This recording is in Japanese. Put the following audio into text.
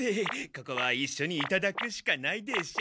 ここはいっしょにいただくしかないでしょ。